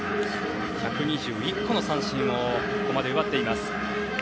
１２１個の三振をここまで奪っています。